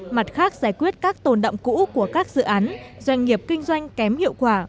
mặt khác giải quyết các tồn động cũ của các dự án doanh nghiệp kinh doanh kém hiệu quả